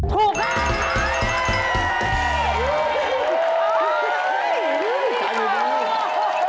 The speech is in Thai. ถูกครับ